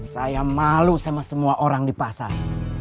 saya malu sama semua orang di pasar